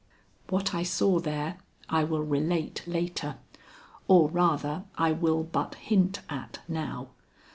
What I saw there I will relate later, or, rather, I will but hint at now.